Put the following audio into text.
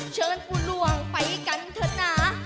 เชิญปู่หลวงไปกันเถิดหนา